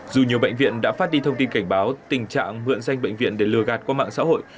dù nhiều bệnh viện đã phát đi thông tin cảnh báo tình trạng mượn danh bệnh viện để lừa gạt qua mạng xã hội